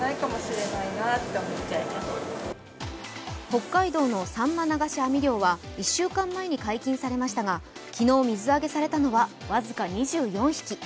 北海道のさんま流し網漁は１週間前に解禁されましたが、昨日水揚げされたのは僅か２４匹。